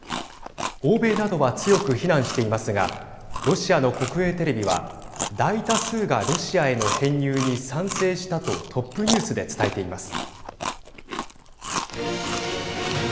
欧米などは強く非難していますがロシアの国営テレビは大多数がロシアへの編入に賛成したとトップニュースで伝えています。